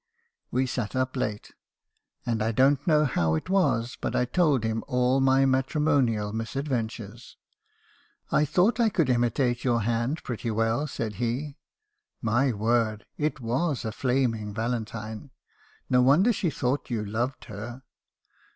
"We sat up late ; and I don't know how it was, but I told him all my matrimonial misadventures. "'I thought I could imitate your hand pretty well,' said he. ' My word ! it was a flaming valentine ! No wonder she thought you loved her!'